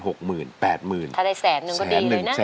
ถ้าได้แสนนึงก็ดีเลยนะ